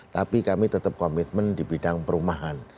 tapi kami tetap komitmen di bidang perumahan